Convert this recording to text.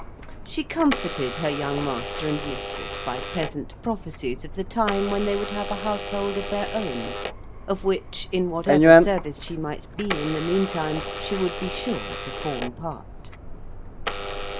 She comforted her young master and mistress by pleasant prophecies of the time when they would have a household of their own; of which, in whatever service she might be in the meantime, she should be sure to form part.